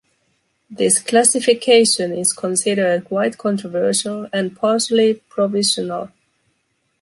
This classification is considered quite controversial and partially provisional.